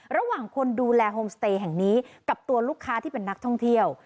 ระหว่างคนดูแลโฮมสเตย์แห่งนี้กับตัวลูกค้าที่เป็นนักท่องเที่ยว